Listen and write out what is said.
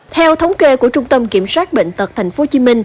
theo thống kê của trung tâm kiểm soát bệnh tật tp hcm